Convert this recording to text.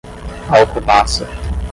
Alcobaça